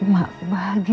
mak bahagia sekali